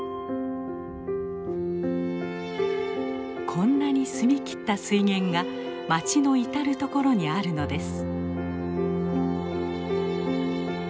こんなに澄み切った水源が町の至る所にあるのです。